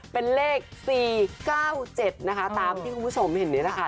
เป็นเลข๔๙๗นะคะตามที่คุณผู้ชมเห็นนี่แหละค่ะ